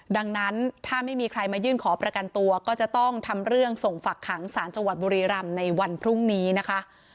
ดังนั้นถ้าไม่มีใครมายื่นขอประกันตัวก็จะต้องทำเรื่องส่งฝักขังสารจังหวัดบุรีรำในวันพรุ่งนี้นะคะ